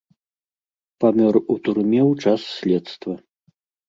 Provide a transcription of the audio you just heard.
Памёр у турме ў час следства.